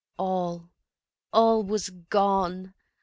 . All, all was gone!